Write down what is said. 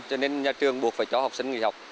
cho nên nhà trường buộc phải cho học sinh nghỉ học